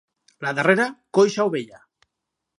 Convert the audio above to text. La darrera, coixa o vella.